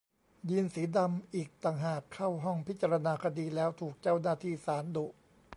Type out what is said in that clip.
ยีนส์สีดำอีกต่างหากเข้าห้องพิจารณาคดีแล้วถูกเจ้าหน้าที่ศาลดุ